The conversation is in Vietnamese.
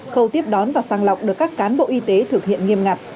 khâu tiếp đón và sàng lọc được các cán bộ y tế thực hiện nghiêm ngặt